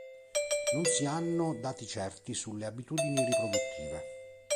Non si hanno dati certi sulle abitudini riproduttive.